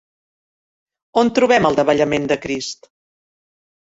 On trobem el davallament de Crist?